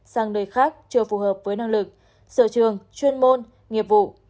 sang nơi khác chưa phù hợp với năng lực sở trường chuyên môn nghiệp vụ